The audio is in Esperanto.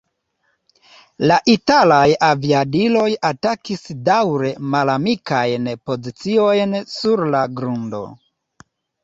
La italaj aviadiloj atakis daŭre malamikajn poziciojn sur la grundo.